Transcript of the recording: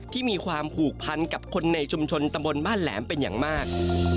ที่มีความผูกพันกับคนในชุมชนตำบลบ้านแหลมเป็นอย่างมาก